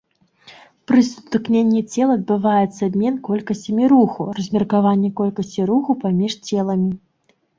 Пры сутыкненні цел адбываецца абмен колькасцямі руху, размеркаванне колькасці руху паміж целамі.